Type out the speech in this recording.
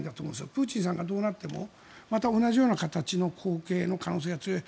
プーチンさんがどうなってもまた同じような形の後継の可能性が強い。